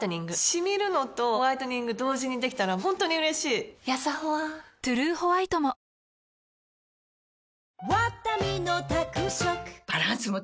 シミるのとホワイトニング同時にできたら本当に嬉しいやさホワ「トゥルーホワイト」も私榊マリコは